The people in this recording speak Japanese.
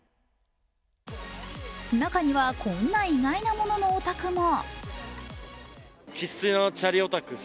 中にはこんな意外なもののオタクも。